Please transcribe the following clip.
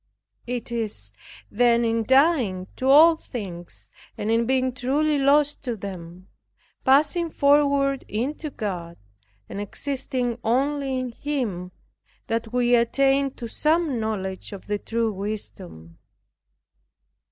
It is, then, in dying to all things, and in being truly lost to them, passing forward into God, and existing only in Him, that we attain to some knowledge of the true wisdom.